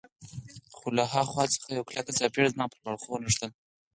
خو له ها خوا څخه یوه کلکه څپېړه زما پر باړخو ونښتله.